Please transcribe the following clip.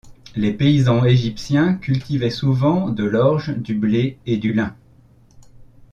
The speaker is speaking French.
Les paysans égyptiens cultivaient souvent de l'orge, du blé et du lin.